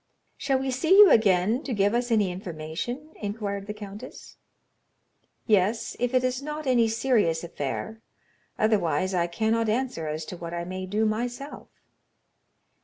"Shall we see you again to give us any information?" inquired the countess. "Yes, if it is not any serious affair, otherwise I cannot answer as to what I may do myself."